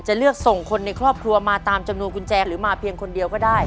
เลือกส่งคนในครอบครัวมาตามจำนวนกุญแจหรือมาเพียงคนเดียวก็ได้